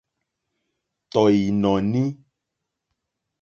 Tɔ̀ ìnɔ̀ní.